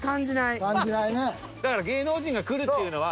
だから芸能人が来るっていうのは。